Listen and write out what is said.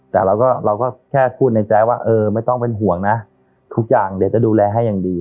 แต่เราก็แค่พูดในใจว่าเออไม่ต้องเป็นห่วงนะทุกอย่างเดี๋ยวจะดูแลให้อย่างดี